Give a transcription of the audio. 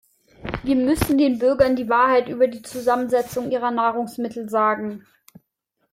Wir müssen den Bürgern die Wahrheit über die Zusammensetzung ihrer Nahrungsmittel sagen.